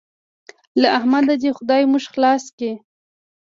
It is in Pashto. له احمده دې خدای موږ خلاص کړي.